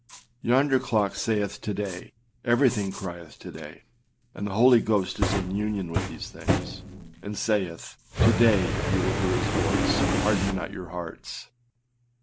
Yonder clock saith âto day;â everything crieth âto day;â and the Holy Ghost is in union with these things, and saith, âTo day if ye will hear his voice, harden not your hearts.